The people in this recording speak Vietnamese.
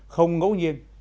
không ngẫu nhiên